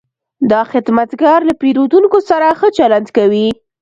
دا خدمتګر له پیرودونکو سره ښه چلند کوي.